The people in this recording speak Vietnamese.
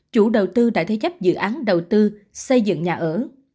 chủ đầu tư đã thế chấp dự án đầu tư xây dựng nhà ở